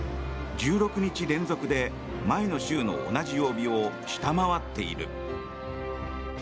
１６日連続で前の週の同じ曜日を下回っている。